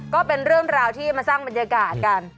ก็เป็นเรื่องราวที่มาสร้างบรรยากาศกัน